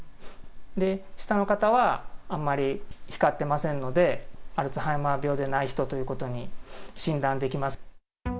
下の方はあんまり光ってませんので、アルツハイマー病でない人ということに診断できます。